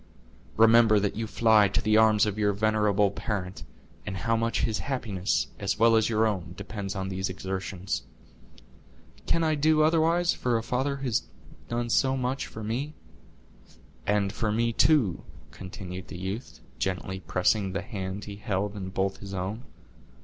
Remember that you fly to the arms of your venerable parent, and how much his happiness, as well as your own, depends on those exertions." "Can I do otherwise for a father who has done so much for me?" "And for me, too," continued the youth, gently pressing the hand he held in both his own.